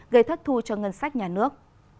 gây thất thu cho ngân sách nhà nước